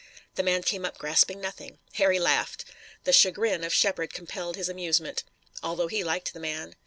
The man came up grasping nothing. Harry laughed. The chagrin of Shepard compelled his amusement, although he liked the man.